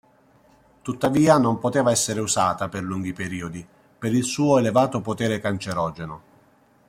Tuttavia non poteva essere usata per lunghi periodi per il suo elevato potere cancerogeno.